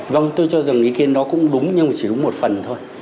vâng tôi cho rằng ý kiến nó cũng đúng nhưng mà chỉ đúng một phần thôi